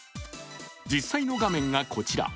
実際の画面がこちら。